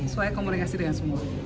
saya komunikasi dengan semua